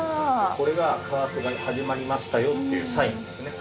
これが加圧が始まりましたよっていうサインですね。